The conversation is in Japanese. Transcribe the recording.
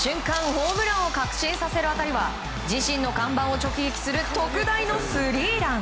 ホームランを確信させる当たりは自身の看板を直撃する特大のスリーラン。